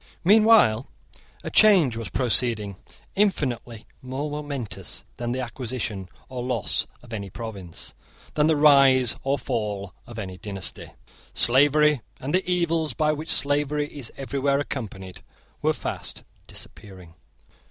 Meanwhile a change was proceeding infinitely more momentous than the acquisition or loss of any province, than the rise or fall of any dynasty. Slavery and the evils by which slavery is everywhere accompanied were fast disappearing.